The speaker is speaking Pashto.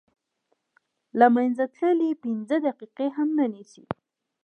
له منځه تلل یې پنځه دقیقې هم نه نیسي.